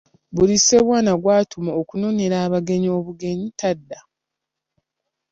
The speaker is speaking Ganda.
Buli Ssebwana gw’atuma okunonera abagenyi obugenyi tadda.